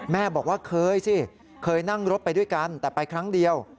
แม่บอกว่าเคยสิเคยนั่งรถไปด้วยกันแต่ไปครั้งเดียว